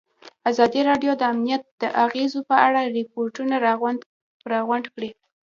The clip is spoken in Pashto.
ازادي راډیو د امنیت د اغېزو په اړه ریپوټونه راغونډ کړي.